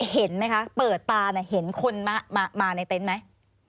เห็นไหมคะเปิดตาเห็นคนมาในเต็นต์ไหม